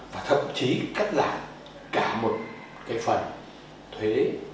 và thậm chí cắt giảm cả một cái phần thuế